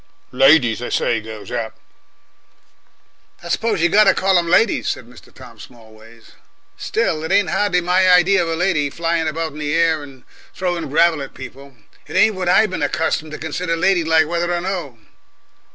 "Ladies, they say, goes up!" "I suppose we got to call 'em ladies," said Mr. Tom Smallways. "Still, it ain't hardly my idea of a lady flying about in the air, and throwing gravel at people. It ain't what I been accustomed to consider ladylike, whether or no."